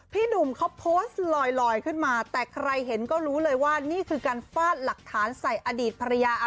พี่หนุ่มเขาโพสต์ลอยขึ้นมาแต่ใครเห็นก็รู้เลยว่านี่คือการฟาดหลักฐานใส่อดีตภรรยา